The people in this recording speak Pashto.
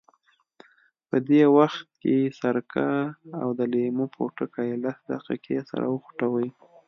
په دې وخت کې سرکه او د لیمو پوټکي لس دقیقې سره وخوټوئ.